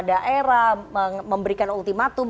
daerah memberikan ultimatum